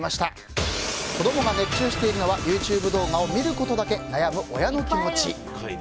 子供が熱中しているのはＹｏｕＴｕｂｅ動画をただ見ることだけ悩む親の気持ち。